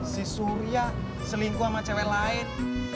si surya selingkuh sama cewek lain